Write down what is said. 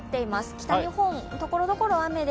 北日本、ところどころ雨で